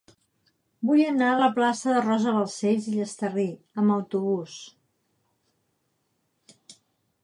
Vull anar a la plaça de Rosa Balcells i Llastarry amb autobús.